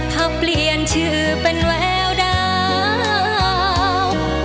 ขับเปลี่ยนชื่อเป็นแววดาว